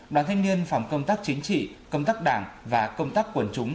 đoàn thanh niên phòng công tác chính trị công tác đảng và công tác quần chúng